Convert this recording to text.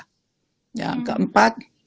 hai yang keempat